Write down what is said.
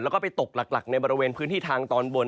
แล้วก็ไปตกหลักในบริเวณพื้นที่ทางตอนบน